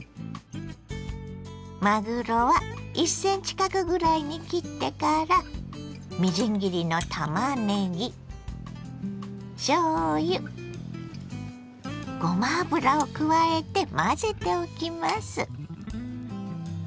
まぐろは１ｃｍ角ぐらいに切ってからみじん切りのたまねぎしょうゆごま油を加えて混ぜておきます。